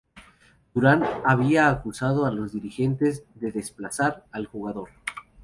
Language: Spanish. Durán había acusado a los dirigentes de "desplazar" al jugador.